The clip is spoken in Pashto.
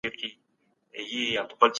پوهه د انسان لپاره يو ستر صفت دی.